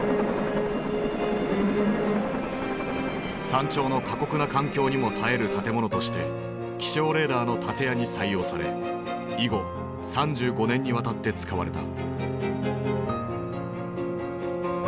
山頂の過酷な環境にも耐える建物として気象レーダーの建屋に採用され以後３５年にわたって使われた。